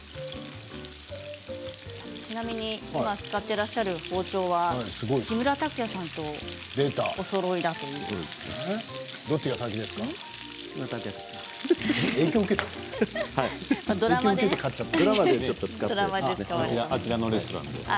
ちなみに今使っていらっしゃる包丁は木村拓哉さんとおそろいだということです。